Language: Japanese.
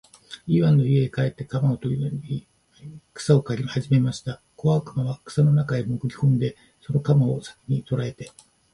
イワンは家へ帰って鎌をといでまた草を刈りはじめました。小悪魔は草の中へもぐり込んで、その鎌の先きを捉えて、